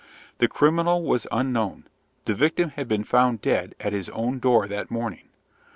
The criminal was unknown; the victim had been found dead at his own door that morning.